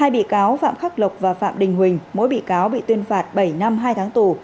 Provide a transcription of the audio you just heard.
hai bị cáo phạm khắc lộc và phạm đình huỳnh mỗi bị cáo bị tuyên phạt bảy năm hai tháng tù